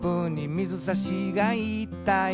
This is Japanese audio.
「水さしが言ったよ」